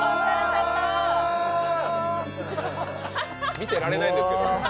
見てられないんですけど。